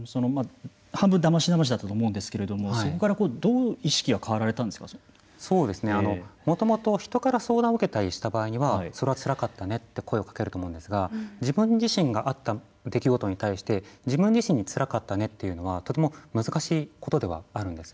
半分だましだましだったと思うんですけどもそこから、どう意識がもともと人から相談を受けたりした場合にはそれはつらかったねって声をかけると思うんですが自分自身があった出来事に対して自分自身に、つらかったねというのはとても難しいことではあるんです。